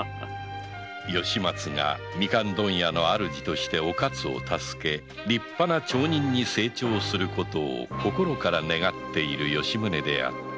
吉松がみかん問屋の主としてお勝を助け立派な町人に成長することを心から願う吉宗であった